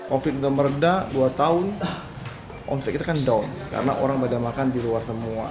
covid udah meredah dua tahun omset kita kan down karena orang pada makan di luar semua